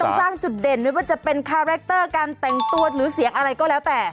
สร้างจุดเด่นไม่ว่าจะเป็นคาแรคเตอร์การแต่งตัวหรือเสียงอะไรก็แล้วแต่